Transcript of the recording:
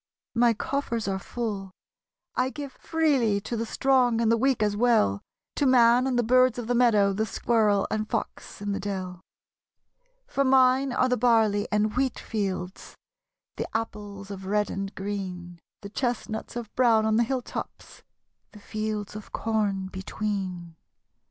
My coffers are full; I give freely To the strong and the weak as well: To man, and the birds of the meadow, The squirrel and fox in the dell. SONG OF AUTUMN. For mine are the barley and wheat fields, The apples of red and green, The chestnuts of brown on the hilltops, 7'he fields of corn between.